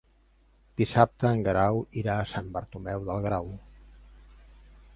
Dissabte en Guerau irà a Sant Bartomeu del Grau.